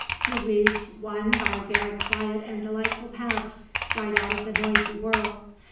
He leads one by very quiet and delightful paths, right out of the noisy world.